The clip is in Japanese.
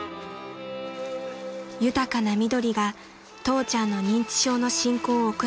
［豊かな緑が父ちゃんの認知症の進行を遅らせてくれる］